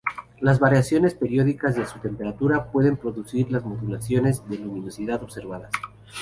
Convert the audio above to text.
Las variaciones periódicas de su temperatura, pueden producir las modulaciones de luminosidad observadas.